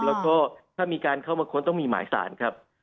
แล้วก็ถ้ามีการเข้ามาค้นต้องมีหมายสารครับ